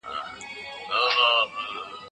ټولنیزې پدیدې باید په دقت وکتل سي.